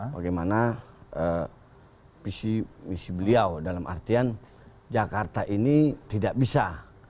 bagaimana visi misi beliau dalam artian jakarta ini tidak bisa